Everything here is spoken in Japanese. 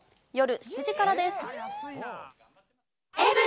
夜７時からです。